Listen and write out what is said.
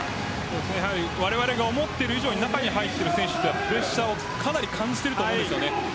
われわれが思っている以上に中に入っている選手はプレッシャーはかなり感じていると思うんです。